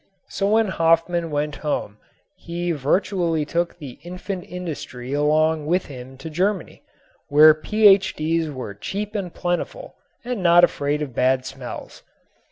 So when Hofmann went home he virtually took the infant industry along with him to Germany, where Ph.D.'s were cheap and plentiful and not afraid of bad smells.